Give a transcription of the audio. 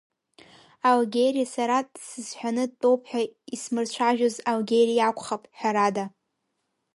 Алгьери, сара дсызҳәаны дтәоуп ҳәа исмырцәажәоз Алгьери иакәхап, ҳәарада!